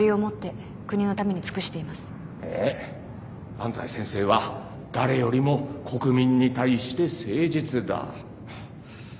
安斎先生は誰よりも国民に対して誠実だ。